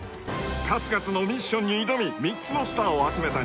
［数々のミッションに挑み３つのスターを集めた西野さん］